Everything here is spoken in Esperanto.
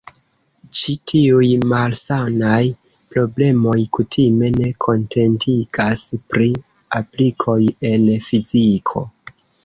Ĉi tiuj "malsanaj" problemoj kutime ne kontentigas pri aplikoj en fiziko.